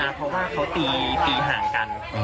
แล้วทีนี้กำลังเพราะว่าเขาตีห่างกัน